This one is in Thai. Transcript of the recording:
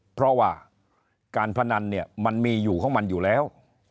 เพราะว่าการพนันเนี่ยมันมีอยู่ของมันอยู่แล้ว